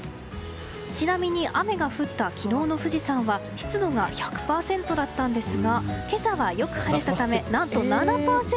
ちなみに、雨が降った昨日の富士山は湿度が１００％だったんですが今朝はよく晴れたため何と７％。